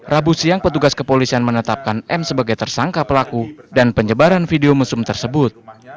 rabu siang petugas kepolisian menetapkan m sebagai tersangka pelaku dan penyebaran video mesum tersebut